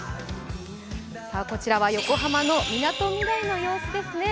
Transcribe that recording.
こちらは横浜のみなとみらいの様子ですね。